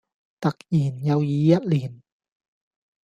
突然又已一年